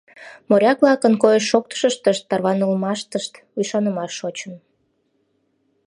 Моряк-влакын койыш-шоктышыштышт, тарванылмаштышт ӱшанымаш шочын.